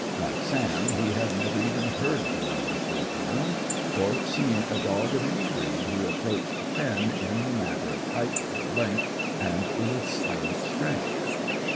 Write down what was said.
Like Sam, he had never even heard of an Irish Wolfhound, or seen a dog of any breed who approached Finn in the matter of height and length and lissom strength.